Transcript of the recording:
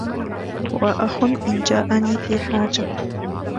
وأخ إن جاءني في حاجة